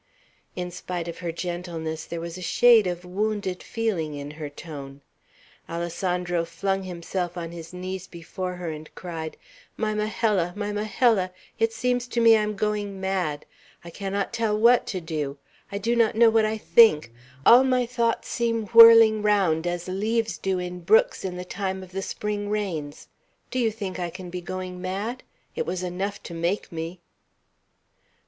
In spite of her gentleness, there was a shade of wounded feeling in her tone. Alessandro flung himself on his knees before her, and cried: "My Majella! my Majella! it seems to me I am going mad! I cannot tell what to do. I do not know what I think; all my thoughts seem whirling round as leaves do in brooks in the time of the spring rains. Do you think I can be going mad? It was enough to make me!"